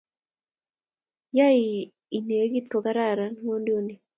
ya I negit ko kararan ng'wanduni